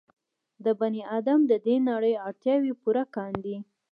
د بني ادم د دې نړۍ اړتیاوې پوره کاندي.